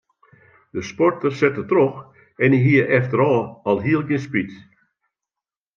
De sporter sette troch en hie efterôf alhiel gjin spyt.